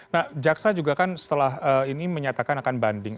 nah jaksa juga kan setelah ini menyatakan akan banding